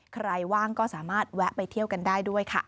ว่างก็สามารถแวะไปเที่ยวกันได้ด้วยค่ะ